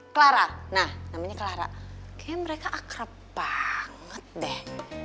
clara nah namanya clara kayaknya mereka akrab banget deh